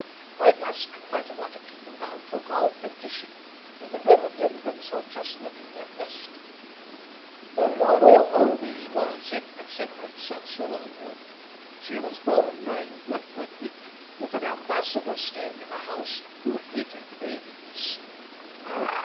"I've asked quite a lot of people down for golf and fishing, and the rhododendrons are just looking their best." "Laura always was inconsiderate," said Sir Lulworth; "she was born during Goodwood week, with an Ambassador staying in the house who hated babies."